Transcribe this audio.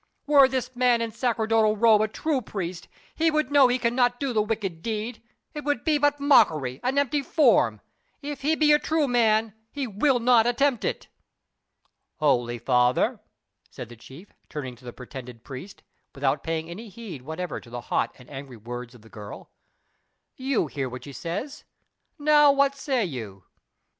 Were this man in sacerdotal robe a true priest, he would know he can not do the wicked deed. It would be but mockery an empty form. If he be a true man, he will not attempt it." "Holy father," said the chief, turning to the pretended priest, without paying any heed whatever to the hot and angry words of the girl, "you hear what she says. Now what say you?"